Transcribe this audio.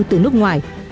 từ nước ngoài